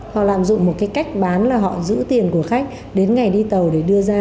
họ lạm dụng một cái cách bán là họ giữ tiền của khách đến ngày đi tàu để đưa ra